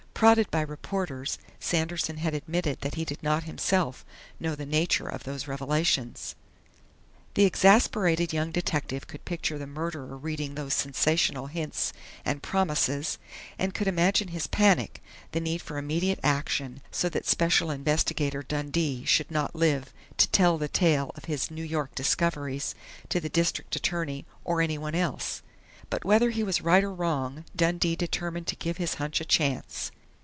Prodded by reporters, Sanderson had admitted that he did not himself know the nature of those revelations. The exasperated young detective could picture the murderer reading those sensational hints and promises, could imagine his panic, the need for immediate action, so that Special Investigator Dundee should not live to tell the tale of his New York discoveries to the district attorney or anyone else. But whether he was right or wrong, Dundee determined to give his hunch a chance.